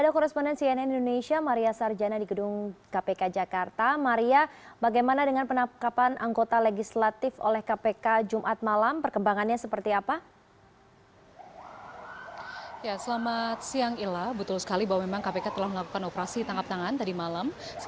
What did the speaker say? kepala kepala kepala kepala